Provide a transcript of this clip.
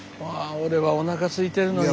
俺はおなかすいてるのに。